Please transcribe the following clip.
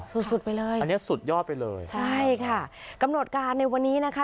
สุดสุดไปเลยอันนี้สุดยอดไปเลยใช่ค่ะกำหนดการในวันนี้นะคะ